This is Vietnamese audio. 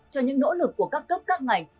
cho những nỗ lực của các cấp đắc ngành